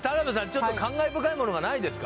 ちょっと感慨深いものがないですか？